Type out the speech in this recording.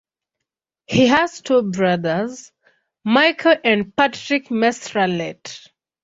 He has two brothers, Michael and Patrick Mestrallet.